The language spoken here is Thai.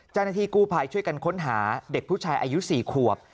เจ้าหน้าที่กู้ภัยช่วยกันค้นหาเด็กผู้ชายอายุ๔ขวบ